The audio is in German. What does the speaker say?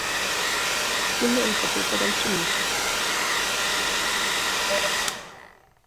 Ottonia im Kartellverband zu München.